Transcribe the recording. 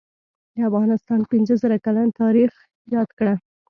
دافغانستان پنځه زره کلن تاریخ یاد کړه